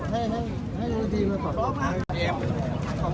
ที่มีอีกนิดนึงต่อไปงานที่มีกัน